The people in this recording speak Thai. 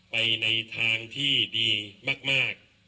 ไปในทางที่ดีมาก